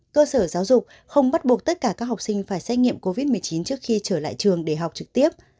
cơ sở giáo dục không bắt buộc tất cả các học sinh phải xét nghiệm covid một mươi chín trước khi trở lại trường để học trực tiếp